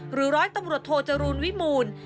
หรือร้อยตำรวจโทรจรูนวิมูล